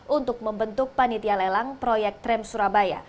untuk membentuk panitia lelang proyek tram surabaya